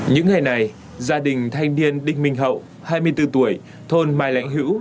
những ngày này gia đình thanh niên đinh minh hậu hai mươi bốn tuổi thôn mai lãnh hữu